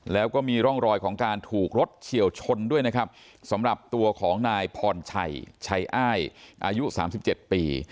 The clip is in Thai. แล้วก็มีร่องรอยของการถูกรถเฉียวชนด้วยนะครับสำหรับตัวของนายพรชัยชัยอ้ายอายุ๓๗ปี